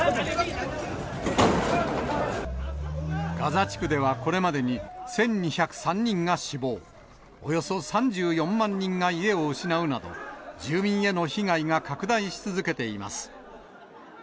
ガザ地区ではこれまでに、１２０３人が死亡、およそ３４万人が家を失うなど、住民への被害が拡大し続けています。